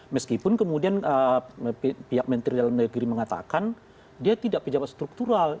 meskipun kemudian pihak menteri dalam negeri mengatakan dia tidak pejabat struktural